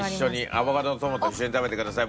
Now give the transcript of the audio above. アボカドとトマト一緒に食べてください。